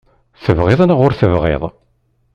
Tebɣiḍ neɣ ur tebɣiḍ.